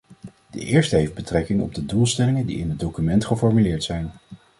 De eerste heeft betrekking op de doelstellingen die in het document geformuleerd zijn.